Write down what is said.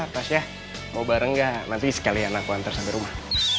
pas ya mau bareng gak nanti sekalian akuantar sampai rumah